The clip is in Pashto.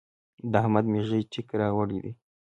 د احمد مېږي تېک راوړی دی.